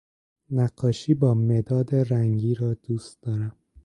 نقاشی با مداد رنگی را دوست دارم